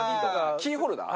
キーホルダー？